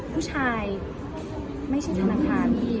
ผู้ชายไม่ใช่ธนัคลามี